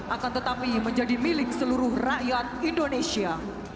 akan tetapi menjadi milik seluruh rakyat indonesia